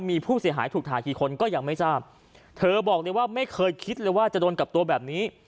มีผู้เสียหายถูกถ่ายกี่คนก็ยังไม่ทราบเธอบอกเลยว่าไม่เคยคิดเลยว่าจะโดนกับตัวแบบนี้